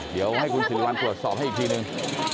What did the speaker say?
เดี๋ยวให้คุณสิริวัลตรวจสอบให้อีกทีนึง